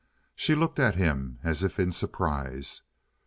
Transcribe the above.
She looked at him as if in surprise.